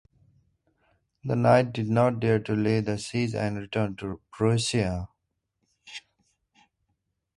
The Knights did not dare to lay the siege and returned to Prussia.